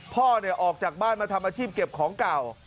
พ่อเนี่ยออกจากบ้านมาทำอาชีพเก็บของเก่า